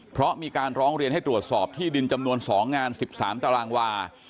เพราะมีการร้องเรียนให้ตรวจสอบที่ดินจำนวน๒งาน๑๓ตารางวา